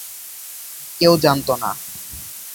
কেউ জানত না।